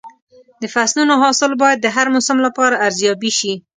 د فصلونو حاصل باید د هر موسم لپاره ارزیابي شي.